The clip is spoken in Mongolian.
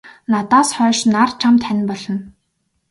Надаас хойш нар чамд хань болно.